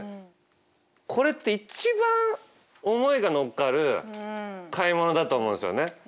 これって一番思いが乗っかる買い物だと思うんですよね。